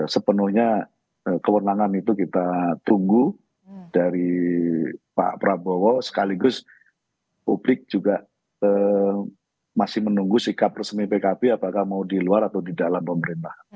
sepenuhnya kewenangan itu kita tunggu dari pak prabowo sekaligus publik juga masih menunggu sikap resmi pkb apakah mau di luar atau di dalam pemerintahan